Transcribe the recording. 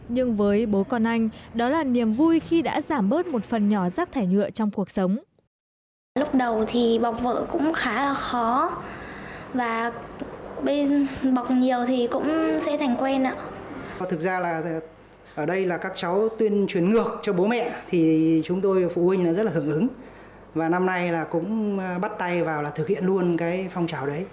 nhưng với bố con anh đó là niềm vui khi đã giảm bớt một phần nhỏ rắc thải nhựa trong cuộc sống